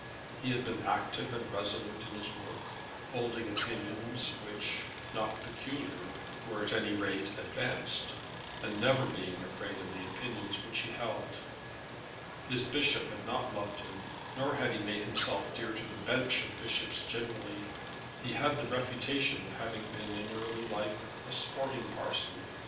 He had been active and resolute in his work, holding opinions which, if not peculiar, were at any rate advanced, and never being afraid of the opinions which he held. His bishop had not loved him, nor had he made himself dear to the bench of bishops generally. He had the reputation of having been in early life a sporting parson.